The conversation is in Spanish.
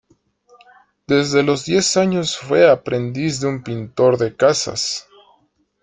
Desde los diez años fue aprendiz de un pintor de casas.